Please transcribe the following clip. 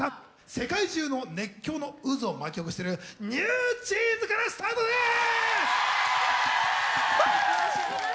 世界中の熱狂の渦を巻き起こしてるＮｅｗＪｅａｎｓからスタートです！